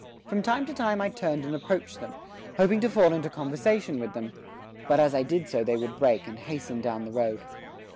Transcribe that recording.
From time to time I turned and approached them, hoping to fall into conversation with them; but as I did so they would break and hasten down the road.